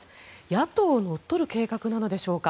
野党を乗っ取る計画なのでしょうか。